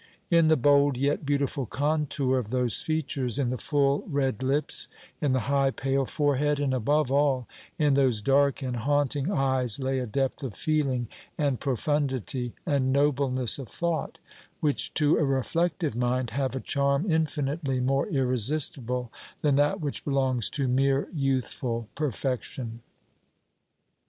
In the bold yet beautiful contour of those features, in the full red lips, in the high pale forehead and, above all, in those dark and haunting eyes lay a depth of feeling and profundity and nobleness of thought, which to a reflective mind have a charm infinitely more irresistible than that which belongs to mere youthful perfection.